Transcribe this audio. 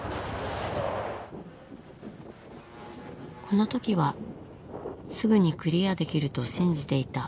この時はすぐにクリアできると信じていた。